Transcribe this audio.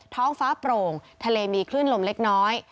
ท้องฟ้าโปร่งทะเลมีคลื่นลมเล็กน้อย